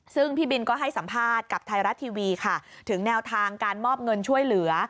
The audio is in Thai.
ซึ่งพี่บินก็ให้สัมภาษณ์กับไทยรัฐทีวีค่ะถึงแนวทางการมอบเงินช่วยเหลือ